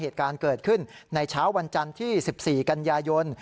เหตุการณ์เกิดขึ้นในเช้าวันจันทร์ที่๑๔กันยายน